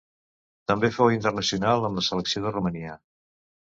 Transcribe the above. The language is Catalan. També fou internacional amb la selecció de Romania.